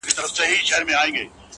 • دا ستا شعرونه مي د زړه آواز دى؛